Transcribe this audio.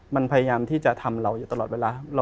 มันพยายามที่จะทำเราอยู่ตลอดเวลา